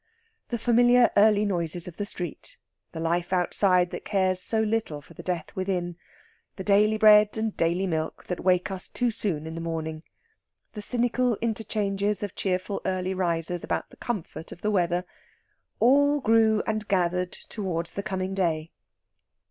The familiar early noises of the street, the life outside that cares so little for the death within, the daily bread and daily milk that wake us too soon in the morning, the cynical interchanges of cheerful early risers about the comfort of the weather all grew and gathered towards the coming day.